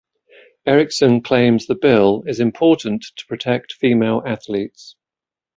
Erickson claims the bill is important to protect female athletes.